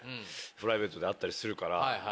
プライベートで会ったりするから。